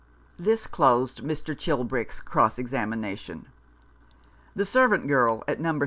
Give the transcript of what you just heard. This closed Mr. Chilbrick's cross examination. The servant girl at No.